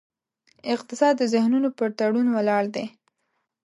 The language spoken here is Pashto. اقتصاد د ذهنونو پر تړون ولاړ دی.